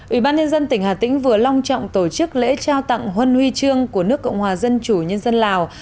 ủy ban nhân dân tỉnh hà tĩnh vừa long trọng tổ chức lễ trao tặng huân huy trương của nước cộng hòa dân chủ nhân dân lào